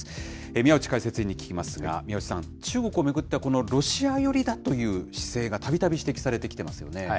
宮内解説委員に聞きますが、宮内さん、中国を巡っては、このロシア寄りだという姿勢が、たびたび指摘されてきていますよ